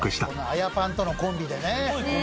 アヤパンとのコンビでね。